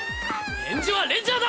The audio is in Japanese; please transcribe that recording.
返事はレンジャーだ！